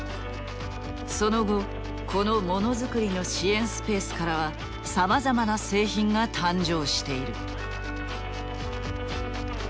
その後このモノづくりの支援スペースからはさまざまな製品が誕生している。